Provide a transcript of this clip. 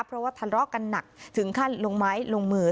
เพราะว่าทะเลาะกันหนักถึงขั้นลงไม้ลงมือ